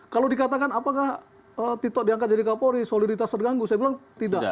kalau dikatakan apakah tito diangkat jadi kapolri soliditas terganggu saya bilang tidak